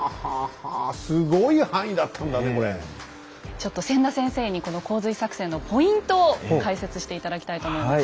ちょっと千田先生にこの洪水作戦のポイントを解説して頂きたいと思います。